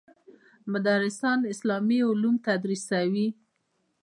مدرسان اسلامي علوم تدریسوي.